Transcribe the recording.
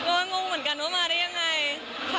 ก็งงเหมือนกันว่ามาได้ยังไงค่ะ